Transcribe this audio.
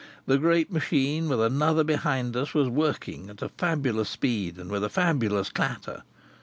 The great machine, with another behind us, was working at a fabulous speed and with a fabulous clatter.